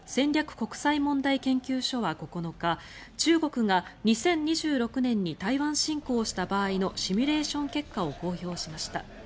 国際問題研究所は９日中国が２０２６年に台湾侵攻した場合のシミュレーション結果を公表しました。